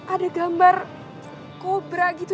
ada gambar kobra gitu